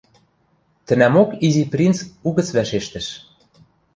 Тӹнӓмок Изи принц угӹц вӓшештӹш: